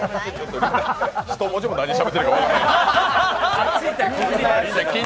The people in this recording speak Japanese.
一文字も何しゃべってるか分からへん。